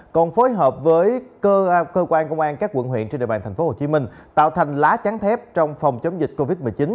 còn phối hợp với cơ quan công an các quận huyện trên địa bàn tp hcm tạo thành lá chắn thép trong phòng chống dịch covid một mươi chín